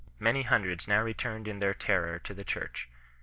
Many hundreds now returned in their terror to the Church.